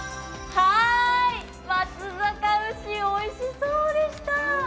松阪牛おいしそうでした。